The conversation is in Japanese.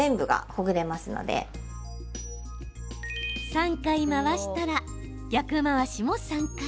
３回、回したら、逆回しも３回。